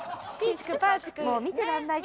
もう見てらんないって。